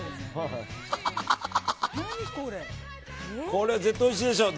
これ絶対おいしいでしょう。